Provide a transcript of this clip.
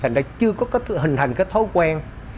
hình thành đã chưa hình thành cái thói quen